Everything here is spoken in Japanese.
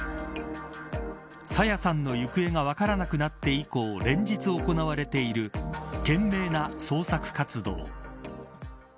朝芽さんの行方が分からなくなって以降連日行われている懸命な捜索活動。